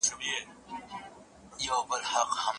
څه یې وې قاصده؟ وې چې ما ته ځواب ورسېد؟